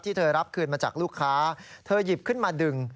เธอรับคืนมาจากลูกค้าเธอหยิบขึ้นมาดึง